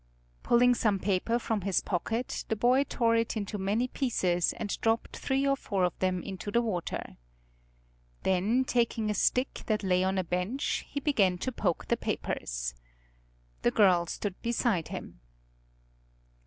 Pulling some paper from his pocket the boy tore it into many pieces and dropped three or four of them into the water. Then taking a stick that lay on a bench he began to poke the papers. The girl stood beside him.